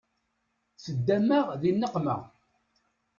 Teddam-aɣ di nneqma.